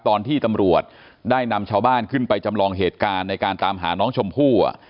ตอนที่ตำรวจได้นำชาวบ้านขึ้นไปจำลองเหตุการณ์ในการตามหาน้องชมพู่